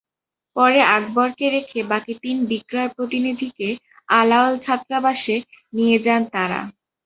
পরে আকবরকে রেখে বাকি তিন বিক্রয় প্রতিনিধিকে আলাওল ছাত্রাবাসে নিয়ে যান তাঁরা।